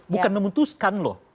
bukan memutuskan loh